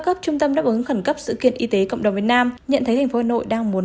các trung tâm đáp ứng khẩn cấp sự kiện y tế cộng đồng việt nam nhận thấy thành phố hà nội đang muốn